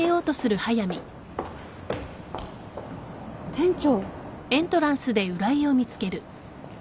店長。